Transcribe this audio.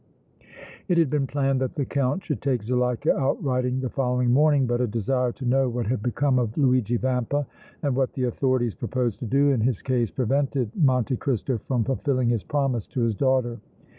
It had been planned that the Count should take Zuleika out riding the following morning, but a desire to know what had become of Luigi Vampa and what the authorities proposed to do in his case prevented Monte Cristo from fulfilling his promise to his daughter.